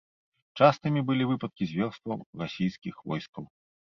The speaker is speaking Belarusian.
Частымі былі выпадкі зверстваў расійскіх войскаў.